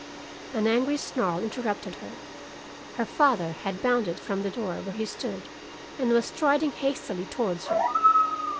"An angry snarl interrupted her. Her father had bounded from the door where he stood and was striding hastily towards her.